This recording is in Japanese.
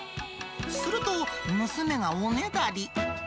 すると、娘がおねだり。